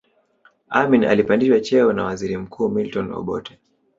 amin alipandishwa cheo na waziri mkuu milton obote